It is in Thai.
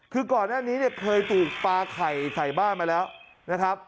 คือก่อนหน้านี้เนี่ยเคยถูกปลาไข่ใส่บ้านมาแล้วนะครับ